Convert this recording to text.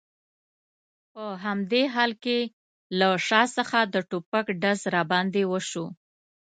په همدې حال کې له شا څخه د ټوپک ډز را باندې وشو.